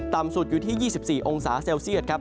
สุดอยู่ที่๒๔องศาเซลเซียตครับ